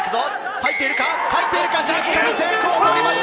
入っているか？